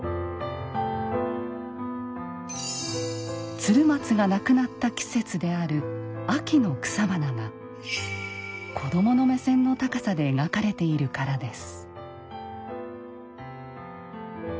鶴松が亡くなった季節である秋の草花が子どもの目線の高さで描かれているからです。